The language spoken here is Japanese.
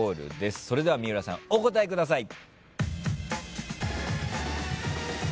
それでは三浦さんお答えください。